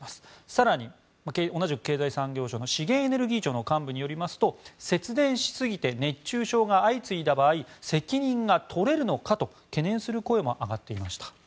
更に、同じく経済産業省の資源エネルギー庁の幹部によりますと節電しすぎて熱中症が相次いだ場合責任が取れるのかと懸念する声も上がっていました。